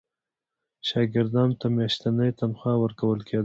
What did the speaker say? شاګردانو ته میاشتنی تنخوا ورکول کېدله.